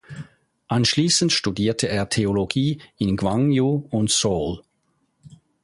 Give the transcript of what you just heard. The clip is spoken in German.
Anschließend studierte er Theologie in Gwangju und Seoul.